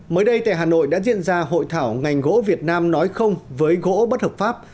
mới đây tại hà nội đã diễn ra hội thảo ngành gỗ việt nam nói không với gỗ bất hợp pháp